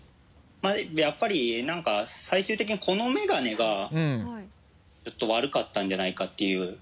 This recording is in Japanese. やっぱり何か最終的にこのメガネがちょっと悪かったんじゃないかっていう。